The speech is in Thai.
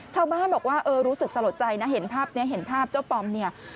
ชาวบ้านบอกว่าเออรู้สึกสลดใจนะเห็นภาพนี้เห็นภาพเจ้าปอมเนี่ย